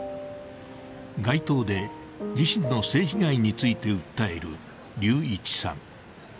街頭で自身の性被害について訴えるりういちさん。